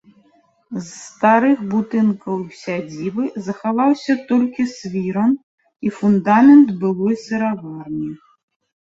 З старых будынкаў сядзібы захаваўся толькі свіран і фундамент былой сыраварні.